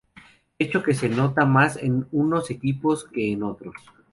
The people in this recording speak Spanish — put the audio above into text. Hecho que se nota más en unos equipos que en otros.